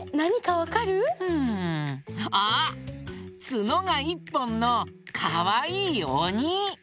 ツノが１ぽんのかわいいおに！